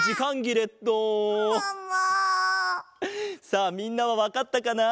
さあみんなはわかったかな？